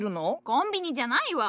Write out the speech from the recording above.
コンビニじゃないわ！